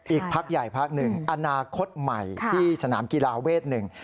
อีกพักใหญ่พักหนึ่งอนาคตใหม่ที่สนามกีฬาเวทหนึ่ง